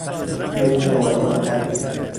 بیایید دوباره ملاقات کنیم!